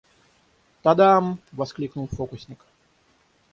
«Тадам!» — воскликнул фокусник.